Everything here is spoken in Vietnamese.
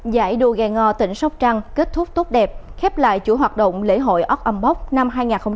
giải đua gai ngò tỉnh sóc trăng kết thúc tốt đẹp khép lại chủ hoạt động lễ hội ốc âm bốc năm hai nghìn hai mươi